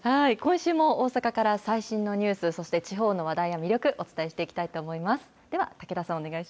今週も、大阪から最新のニュース、そして地方の話題や魅力、お伝えしていきたいと思います。